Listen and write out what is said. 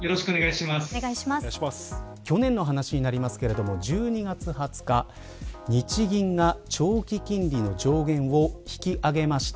去年の話になりますけれども１２月２０日、日銀が長期金利の上限を引き上げました。